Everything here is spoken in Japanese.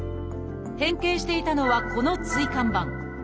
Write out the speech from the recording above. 変形していたのはこの椎間板。